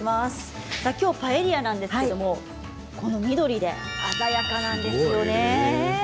きょうパエリアなんですけれどもこの緑で鮮やかなんですよね。